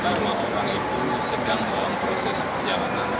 dan lima orang itu sedang melakukan proses perjalanan